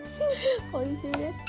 おいしいです。